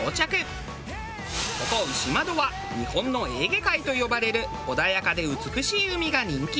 ここ牛窓は日本のエーゲ海と呼ばれる穏やかで美しい海が人気。